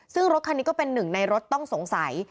ซึ่งรถคันนี้ก็เป็นหนึ่งในรถต้องสงสัย